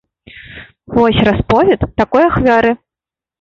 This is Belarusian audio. Вось расповед такой ахвяры.